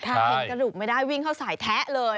เห็นกระดูกไม่ได้วิ่งเข้าสายแทะเลย